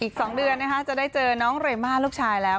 อีก๒เดือนจะได้เจอน้องเรม่าลูกชายแล้ว